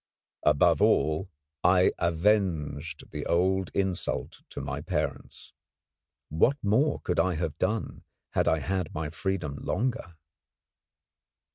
Above all, I avenged the old insult to my parents. What more could I have done had I had my freedom longer?